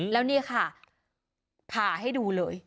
แล้วนี่ค่ะผ่าให้ดูเลย